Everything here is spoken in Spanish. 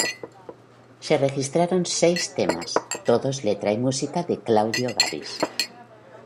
Se registraron seis temas, todos letra y música de Claudio Gabis.